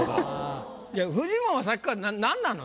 フジモンはさっきから何なの？